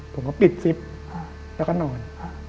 ผมก็ปิดซิปแล้วก็นอน